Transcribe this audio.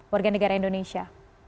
warga negara indonesia